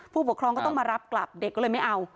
ผู้ปกครองก็ต้องมารับกลับเด็กก็เลยไม่เอา